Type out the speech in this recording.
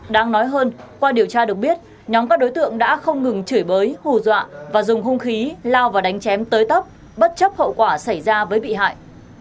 đáng nói hơn qua điều tra được biết nhóm các đối tượng đã không ngừng chửi bới hù dọa và dùng hung khí lao và đánh chém tới tấp bất chấp hậu quả xảy ra với bị hại